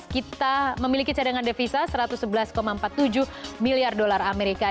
kita memiliki cadangan devisa satu ratus sebelas empat puluh tujuh miliar dolar amerika